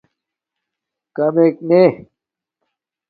کامک نے